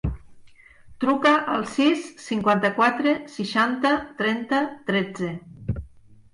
Truca al sis, cinquanta-quatre, seixanta, trenta, tretze.